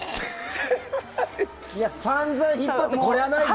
さんざん引っ張ってこりゃないぜ！